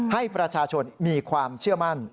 ให้ประชาชนมีความเชื่อมั่น